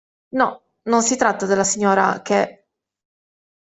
No, non si tratta della signora, che.